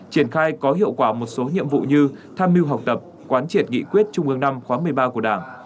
triển khai có hiệu quả một số nhiệm vụ như tham mưu học tập quán triệt nghị quyết trung ương năm khóa một mươi ba của đảng